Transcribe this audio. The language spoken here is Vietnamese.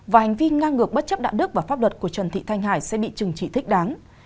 và hành vi ngang ngược bất chấp đạo đức và pháp luật của trần thị thanh hải sẽ bị trừng trị thích đáng